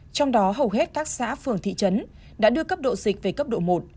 trong đó hầu hết các xã phường thị trấn đã đưa cấp độ dịch về cấp độ một